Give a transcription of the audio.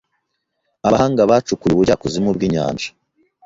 abahanga bacukuye ubujyakuzimu bwinyanja